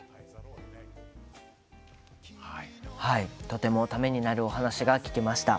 とてもためになるお話が聴けました。